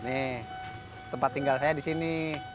nih tempat tinggal saya di sini